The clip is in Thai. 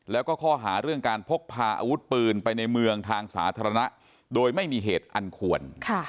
แล้วก็ข้อหาเรื่องการพกพาอาวุธปืนไปในเมืองทางสาธารณะโดยไม่มีเหตุอันควร